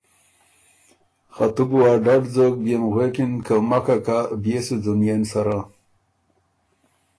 خه تُو بو ا ډډ ځوک بيې م غوېکِن که مکه کَۀ بيې سو ځونيېن سَره“